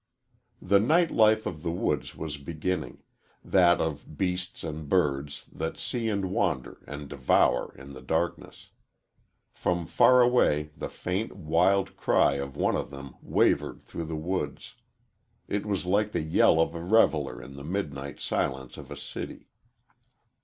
The night life of the woods was beginning that of beasts and birds that see and wander and devour in the darkness.. From far away the faint, wild cry of one of them wavered through the woods. It was like the yell of a reveller in the midnight silence of a city.